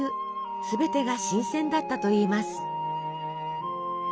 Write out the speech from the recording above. すべてが新鮮だったといいます。